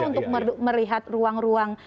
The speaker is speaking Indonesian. untuk melihat ruang ruang